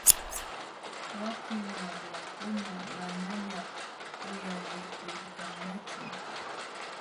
Wakin wamlakuna manañaq uyalikulkanñachum.